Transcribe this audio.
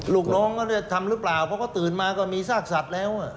ลูกน้องก็เลยทำรึเปล่าเพราะก็ตื่นมาก็มีซากสัตว์แล้ว